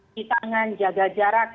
di tangan jaga jarak